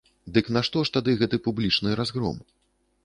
Дык нашто ж тады гэты публічны разгром?